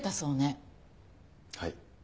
はい。